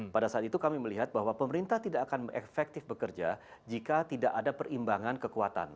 pada saat itu kami melihat bahwa pemerintah tidak akan efektif bekerja jika tidak ada perimbangan kekuatan